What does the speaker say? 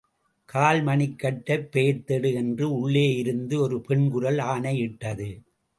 கால் மணிக்கட்டை பெயர்த்தெடு என்று உள்ளேயிருந்து ஒரு பெண்குரல் ஆணையிட்டது.